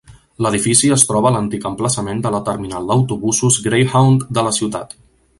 L'edifici es troba a l'antic emplaçament de la terminal d'autobusos Greyhound de la ciutat.